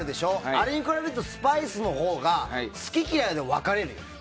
あれに比べるとスパイスのほうが好き嫌いが分かれるよね。